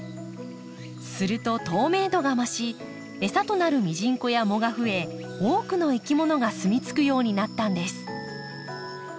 すると透明度が増し餌となるミジンコや藻が増え多くのいきものが住み着くようになったんです。